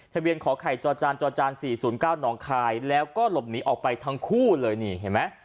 ขอไข่จอจานจอจาน๔๐๙หนองคายแล้วก็หลบหนีออกไปทั้งคู่เลยนี่เห็นไหม